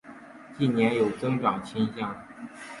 近年有增长倾向。